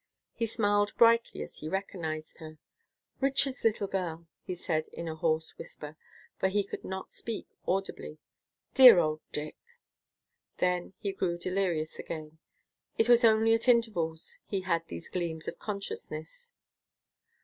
He smiled brightly as he recognized her. "Richard's little girl!" he said in a hoarse whisper, for he could not speak audibly. "Dear old Dick." Then he grew delirious again. It was only at intervals he had these gleams of consciousness.